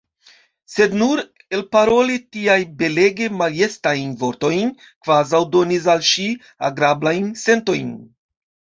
Sed nur elparoli tiajn belege majestajn vortojn kvazaŭ donis al ŝi agrablajn sentojn.